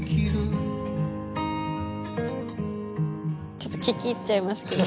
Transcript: ちょっと聴き入っちゃいますけどね。